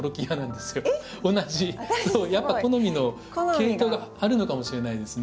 すごい。やっぱ好みの系統があるのかもしれないですね。